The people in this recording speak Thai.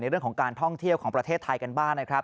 เรื่องของการท่องเที่ยวของประเทศไทยกันบ้างนะครับ